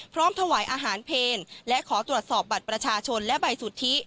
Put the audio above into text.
ถวายอาหารเพลและขอตรวจสอบบัตรประชาชนและใบสุทธิ